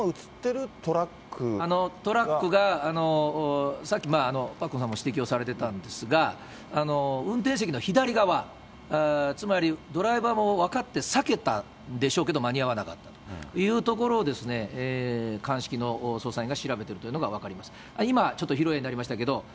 この、トラックが、さっき、パックンさんも指摘をされてたんですが、運転席の左側、つまりドライバーも分かって避けたんでしょうけど、間に合わなかったというところをですね、鑑識の捜査員が調べてるというのが分かります。